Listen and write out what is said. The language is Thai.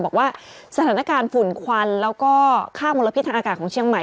บอกว่าสถานการณ์ฝุ่นควันแล้วก็ค่ามลพิษทางอากาศของเชียงใหม่